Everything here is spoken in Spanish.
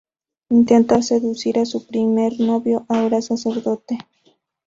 Intenta seducir a su primer novio, ahora sacerdote.